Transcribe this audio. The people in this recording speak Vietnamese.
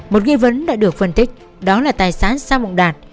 một nghi vấn đã được phân tích đó là tài sản sa mộng đạt